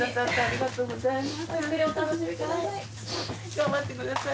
頑張ってくださいね。